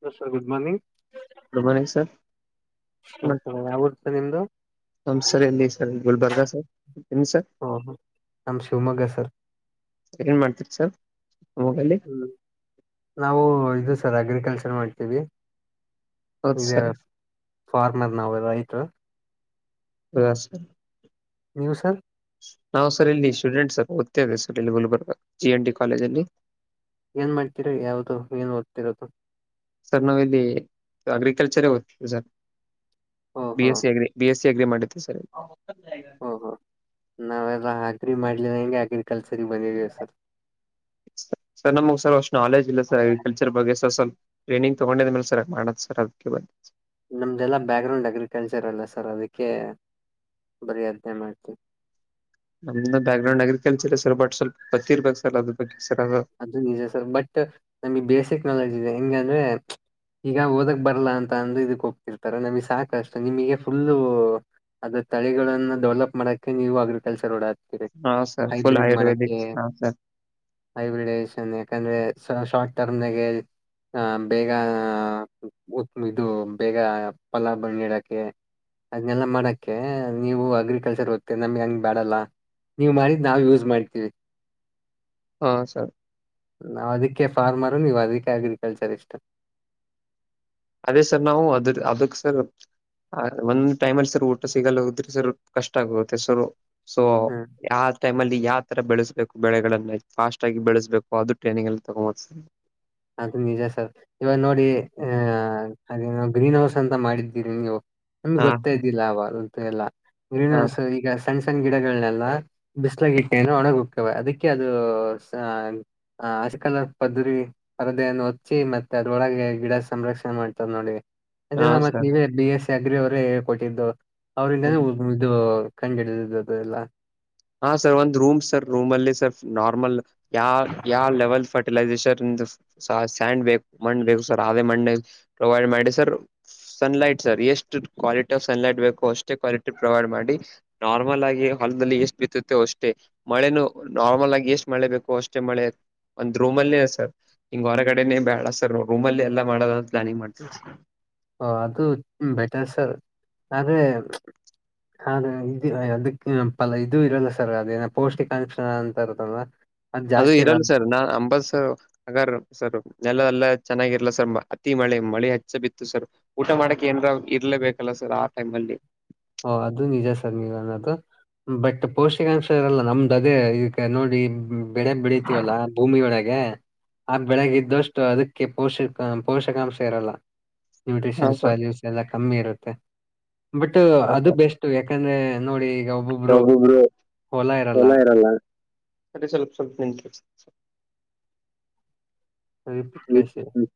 Hello sir good morning. Good morning sir. ಹೌದ sir ಯಾವೂರ sir ನಿಮ್ದು. ನಮ್ ಸರ್ ಎಲ್ಲಿ ಎಲ್ಲಿ ಸರ್ ಗುಲ್ಬರ್ಗಾ ನಿಮ್ಮ ಸರ್. ಓಹೋ ನಮ್ಮ ಶಿವಮೊಗ್ಗ ಸರ್. ಏನ್ ಮಾಡ್ತಿರ್ ಸರ್ ಗುಲ್ಬರ್ಗದಲ್ಲಿ. ಹ್ಮ್ ನಾವು ಇದು ಸರ್ ಅಗ್ರಿಕಲ್ಚರ್ ಮಾಡ್ತೀವಿ. ಹೌದು ಇದೇ ಸರ್ ಫಾರ್ಮರ್ ನಾವು ಎಲ್ಲಾ ರೈತೃ. ಹೌದ ಸರ್. ನೀವು ಸರ್. ನಾವ ಸರ್ ಇಲ್ಲಿ ಸ್ಟೂಡೆಂಟ್ ಸರ್ ಓತೇವಿ ಸರ್ ಇಲ್ಲಿ Gulbarga G N D college ಅಲ್ಲಿ. ಏನ್ ಮಾಡ್ತಿರಾ ಯಾವ್ದು ಏನ್ ಓದ್ತಿರೋದು. ಸರ್ ನಾವ ಇಲ್ಲಿ ಅಗ್ರಿಕಲ್ಚರ ಓತೇವಿ ಸರ್ ಬಿ ಓಹೋ S C agri. B S C agri ಮಾಡತ್ತು ಸರಿ ಓಹೋ ನಾವೆಲ್ಲ ಅಗ್ರಿ ಮಾಡ್ಲಿಲ್ಹಂಗ ಅಗ್ರಿಕಲ್ಚರ್ಗೆ ಬಂದಿದಿವಿ ಸರ್. ಸರ್ ನಮ್ಗ್ ಸರ್ ಅಷ್ಟು ನಾಲೇಜ್ ಇಲ್ಲ ಸರ್ ಅಗ್ರಿಕಲ್ಚರ್ ಬಗ್ಗೆ ಸರ್ ಸ್ವ ಸ್ವಲ್ಪ. ಟ್ರೈನಿಂಗ್ ತಗೊಂಡಿದ ಮೇಲೆ ಸರ್ ಮಾಡದ ಸರ್ ಅದ. [unintelligible] ನಮ್ದೆಲ್ಲಾ ಬ್ಯಾಕ್ ಗ್ರೌಂಡ್ ಅಗ್ರಿಕಲ್ಚರ್ ಅಲ್ಲ ಸರ್ ಅದಕ್ಕೆ ಬರಿ ಅದ್ನೆ ಮಾಡ್ತೀವಿ. ನಮ್ದ background agriculture sir but ಸ್ವಲ್ಪ ಪತ್ತಿರ್ಬೇಕು ಸರ್ ಅದ್ರ ಬಗ್ಗೆ ಸರ್. ಅದು ನಿಜ ಸರ್ ಬಟ್ ನಮ್ಗೆ ಬೇಸಿಕ್ ನಾಲಜಿ ಇದೆ ಹೆಂಗ ಅಂದ್ರೆ ಈಗ ಓದಕ್ ಬರ್ಲ್ಲಾ ಅಂತ ಅಂದ ಇದಕ್ ಹೋಗ್ತಿರ್ತಾರ ನಮಗ್ ಸಾಕಷ್ಟ ನಿಮಗೆ ಫುಲ್ಲು ಅದ್ರ ತಳಿಗಳನ್ನ ಡೆವಲಪ್ ಮಾಡಕ್ಕೆ ನೀವು ಅಗ್ರಿಕಲ್ಚರ್ ಓಡಾಕ್ತೀರಿ ಹಾ ಸರ್ ಫುಲ್ ಹೈಬ್ರಿಡ್ ಆಯುರ್ವೇದಿಕ್ ಮಾಡಕ್ಕೆ. ಹಾ ಸರ್ ಹೈಬ್ರಿಡೈಜೇಷನ್ ಯಾಕಂದ್ರೆ ಸಾ ಶಾರ್ಟ್ ಟರ್ಮ್ನದಾ ಗೆ. ಅ ಬೇಗಾ ಉತ್ಮಿದು ಬೇಗಾ ಪಲಾ ಬಳನೀಡಕ್ಕೆ. ಅದ್ನೆಲ್ಲ ಮಾಡಕ್ಕೆೆ ನೀವು ಅಗ್ರಿಕಲ್ಚರ್ ಓದತ್ತೆ ನಮ್ ಹೆಂಗ್ ಬ್ಯಾಡಲ್ಲಾ. ನೀವ ಮಾಡಿದ್ ನಾವು ಯೂಸ್ ಮಾಡ್ತೀವಿ. ಹಾ ಸರ್. ನಾವ ಅದಕ್ಕೆ ಫಾರ್ಮರು ನೀವ ಅದಕ್ಕೆ ಅಗ್ರಿಕಲ್ಚರ್ ಇಷ್ಟ. ಅದೇ ಸರ್ ನಾವು ಅದ್ರ ಅದಕ್ ಸರ್. ಆ ಒಂದ್ ಟೈಮಲ್ಲಿ ಸರ್ ಊಟ ಸಿಗಲ್ಲ ಉದ್ರ ಸರ್ ಕಷ್ಟ ಆಗುತ್ತೆ ಸೊ ಸೊ ಹ್ಮ ಯಾ. ಟೈಮ ಅಲ್ಲಿ ಯಾವ ತರ ಬೆಳೆಸ್ಬೇಕು ಬೆಳೆಗಳನ್ನ ಫಾಸ್ಟ್ ಆಗಿ ಬೆಳೆಸ್ಬೇಕು ಅದು ಟ್ರೈನಿಂಗಲ್ಲಿ ತಗೊಬೋದ ಸರ್. ಅದು ನಿಜ ಸರ್ ಇವಾಗ ನೋಡಿ ಆಹ ಅದು ಗ್ರೀನ್ ಹೌಸ್ ಅಂತ ಮಾಡಿದ್ದೀರಿ ನೀವು. ನಮ್ಗ ಹಾ ಗೊತ್ತೇ ಇದ್ದಿಲ್ಲ ಅವಾಗ್ದು ಅಂತು ಎಲ್ಲಾ ಗ್ರೀನ್ ಹಾ ಹೌಸ್ ಈಗ ಸಣ್ಣ ಸಣ್ಣ ಗಿಡಗಳನೆೆಲ್ಲ ಬಿಸ್ಲ ಗಿಟ್ಟೆಯನ್ನು ಒಣಗ ಹೋಗ್ತವೆ ಅದಕ್ಕೆ ಅದು ಸಾ ಹ ಅಸಕಲರ್ ಪದಿರಿ. ಪರದೆಯನ್ನು ಹೊಚ್ಚಿ ಮತ್ತೆ ಅದ್ರೊಳಗೆ ಗಿಡ ಸಂರಕ್ಷಣೆ ಮಾಡ್ತಾರೆ ನೋಡಿ ಅದ ಹಾ ಅಲ್ಲಾ ಮತ್ತ ಸರ್ ನೀವೇ ಬಿ ಎಸ್ಸಿ ಅಗ್ರಿ ಅವರೇ ಕೊಟ್ಟಿದ್ದು ಹ್ಮ ಅವರಿಂದನೇ ಉಹಮ್ ಇದು ಕಂಡ್ ಹಿಡಿದಿದ್ದ ಅದು ಎಲ್ಲಾ. ಹಾ ಸರ್ ಒಂದ್ ರೂಮ್ ಸರ್ ರೂಮ್ ಅಲ್ಲಿ ಸರ್ ನಾರ್ಮಲ್ ಯಾ ಯಾವ ಲೆವೆಲ್ ಫಟ್ ರ್ಟಿಲೈಸೇಷನ್ದ ಸಾ ಸ್ಯಾಂಡ್ ಬೇಕು ಮಣ್ಣ್ ಬೇಕು ಸರ್ ಅದೇ ಮಣ್ಣ ಪ್ರೊವೈಡ್ ಮಾಡಿ ಸರ್. ಸನ್ಲೈಟ್ ಸರ್ ಎಷ್ಟು ಕ್ವಾಲಿಟಿ ಆಫ್ ಸನ್ಲೈಟ್ ಬೇಕೋ ಅಷ್ಟೇ ಕ್ವಾಲಿಟಿ ಪ್ರೊವೈಡ್ ಮಾಡಿ. ನಾರ್ಮಲ್ ಆಗಿ ಹೊಲದಲ್ಲಿ ಎಷ್ಟ ಬಿತ್ತುತ್ತೆ ಅಷ್ಟೇ ಮಳೇನು ನಾರ್ಮಲ್ ಆಗಿ ಎಷ್ಟ ಮಳೆ ಬೇಕೋ ಅಷ್ಟೇ ಮಳೆ. ಒಂದ್ ರೂಮಲ್ಲಿ ಸರ್ ಹಿಂಗ ಹೊರಗಡೆೇನೆ ಬ್ಯಾಡಾ ಸರ್ ರೂಮಲ್ಲಿ ಎಲ್ಲಾ ಮಾಡದ ಪ್ಲಾನಿಂಗ್ ಮಾಡ್ತೀವಿ ಸರ್. ಓ ಅದು ಬೆಟರ್ ಸರ್ ಆದ್ರೆ. ಹಾ ಅದು ಇದು ಅದಕ್ಕ ಪ ಇದು ಇರಲ್ಲ ಸರ್ ಅದೇನ ಪೌಷ್ಟಿಕ ಅಂಕ್ಷಣ ಅಂತ ಇರತಲ್ ಅದು ಈರಣ್ಣ ಸರ್ ದಾ ಅಂಬತ್ಸರ್ ಅವರ್ ಹಗಾರ ಸರ್ ನೆಲ ಎಲ್ಲ ಚೆನ್ನಾಗಿರ್ಲ ಸರ್ ಮ ಅತಿ ಮಳಿ ಮಳಿ ಹತ್ತಿ ಸರ್ ಬಿತ್ತು ಸರ್ ಊಟ ಮಾಡಕ್ಕೆ ಏನರ ಇರ್ಲೇಬೇಕಲ್ಲ ಸರ್ ಆ ಟೈಮ್ ಅಲ್ಲಿ. ಓ ಅದು ನಿಜ ಸರ್ ನೀವ ಅನ್ನದು. ಬಟ್ ಪೌಷ್ಟಿಕಾಂಶ ಇರಲ್ಲ ನಮ್ದು ಅದೇ ಇಗ ನೋಡಿ ಹಮ. ಬೆಳೆನ್ ಬೆಳಿತೀವಲ್ಲಾ ಭೂಮಿಯ ಒಳಗೆ. ಆ ಬೆಳಗ್ಗೆ ಇದ್ದಷ್ಟು ಅದಕ್ಕೆ ಪೋಷಕ ಪೋಷಕಾಂಶ ಇರಲ್ಲಾ. ಹಾ ನ್ಯೂಟ್ರಿಷನ್ಸ್ ಸರ್ ವ್ಯಾಲ್ಯೂಸ್ ಎಲ್ಲ ಕಮ್ಮಿ ಇರುತ್ತೆ. ಬಟ್ ಅದು ಅದ ಬೆಸ್ಟ್ ಯಾಕಂದ್ರೆ ನೋಡಿ. ಈಗ ಒಬ್ಬೊಬ್ರು ಯಬೊಬ್ರು ಹೊಲ ಇರಲ್ಲ ಸರಿ ಸ್ವಲ್ಪ ಸ್ವಲ್ಪ ನಿಂಟ ಸ್ವ ಅವಿಪ್ ಹ್ಮ್ ಕ್ಯಾಷೆ. ಹ್ಮ್ ಹ್ಮ್